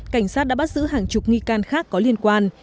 cảnh sát đã bắt giữ hàng chục nghi can khác có liên quan